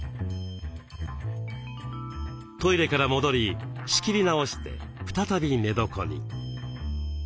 トイレから戻り仕切り直して再び寝床に。